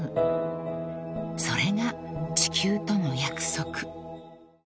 ［それが地球との約束］